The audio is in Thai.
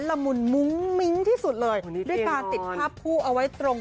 ละมุนมุ้งมิ้งที่สุดเลยโอ้นี่เตียงนอนด้วยการติดผ้าผู้เอาไว้ตรง